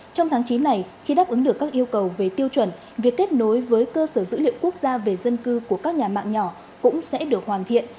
trong tháng chín này khi đáp ứng được các yêu cầu về tiêu chuẩn việc kết nối với cơ sở dữ liệu quốc gia về dân cư của các nhà mạng nhỏ cũng sẽ được hoàn thiện